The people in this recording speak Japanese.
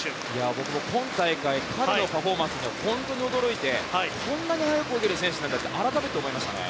僕も彼のパフォーマンスに驚いてこんなに速く泳げる選手なんだと改めて思いましたね。